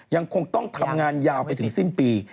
ยังคงต้องทำงานยาวไปถึงสิ้นปี